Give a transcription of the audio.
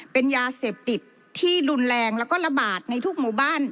เป็นยาเสพติดที่รุนแรงแล้วก็ระบาดในทุกหมู่บ้าน